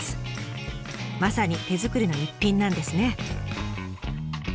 まさに手づくりの逸品なんですね。